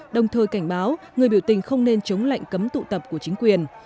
đồng thời cảnh báo người biểu tình không nên chống lệnh cấm tụ tập của chính quyền